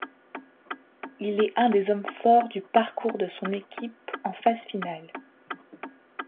Il est un des hommes forts du parcours de son équipe en phase finale.